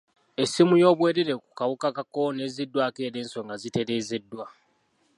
Essiimu y'obwereere ku kawuka ka kolona ezziddwako era ensonga zitereezeddwa.